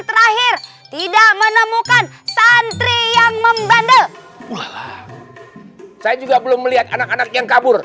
terakhir tidak menemukan santri yang membandel wah saya juga belum melihat anak anak yang kabur